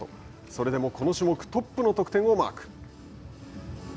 それでもこの種目トップの得点をマーク。